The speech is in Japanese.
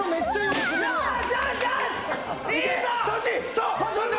そっち！